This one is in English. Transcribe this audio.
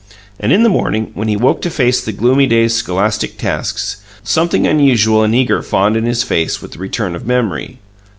And in the morning, when he woke to face the gloomy day's scholastic tasks, something unusual and eager fawned in his face with the return of memory.